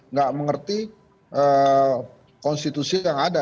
nggak mengerti konstitusi yang ada